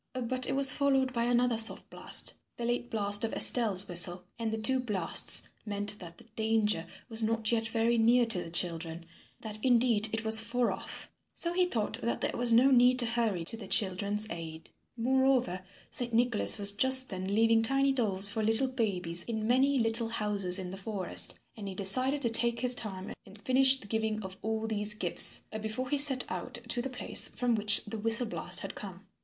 But it was followed by another soft blast the late blast of Estelle's whistle and the two blasts meant that the danger was not yet very near to the children, that indeed it was far off, so he thought that there was no need to hurry to the children's aid. Moreover, Saint Nicholas was just then leaving tiny dolls for little babies in many little houses in the forest and he decided to take his time and finish the giving of all these gifts before he set out to the place from which the whistle blast had come.